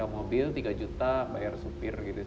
mobil tiga juta bayar supir gitu